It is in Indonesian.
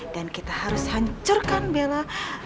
dan kita harus hancurkan bella